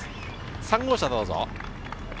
３号車、どうぞ。